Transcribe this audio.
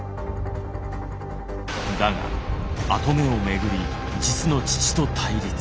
だが跡目をめぐり実の父と対立。